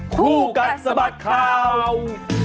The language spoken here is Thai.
คู่กับสบัติข่าว